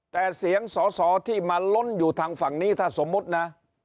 แต่เสียงสอสอที่มาล้นอยู่ทางฝั่งนี้ถ้าสมมุตินะ